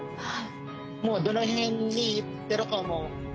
もうどのへんに行ってるかも。